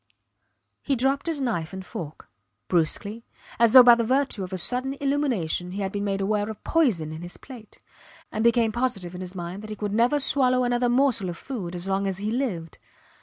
He dropped his knife and fork, brusquely, as though by the virtue of a sudden illumination he had been made aware of poison in his plate, and became positive in his mind that he could never swallow another morsel of food as long as he lived.